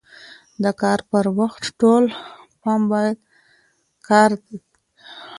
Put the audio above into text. د کار پر وخت ټول پام باید کار ته وي.